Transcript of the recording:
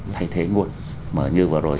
thay thế nguồn mà như vừa rồi